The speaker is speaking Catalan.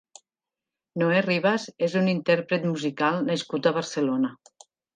Noè Rivas és un intérpret musical nascut a Barcelona.